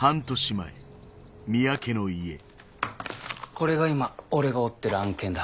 これが今俺が追ってる案件だ。